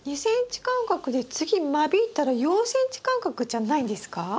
２ｃｍ間隔で次間引いたら４ｃｍ間隔じゃないんですか？